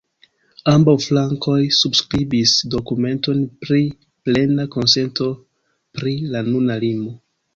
Ambaŭ flankoj subskribis dokumenton pri plena konsento pri la nuna limo.